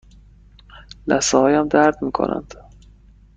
لثه هایم درد می کنند.